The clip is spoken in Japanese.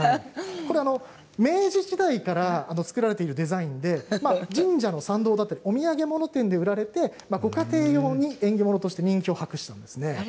明治時代から作られているデザインで神社の参道だったりお土産物店で売られてご家庭用に縁起物として人気を博したんです。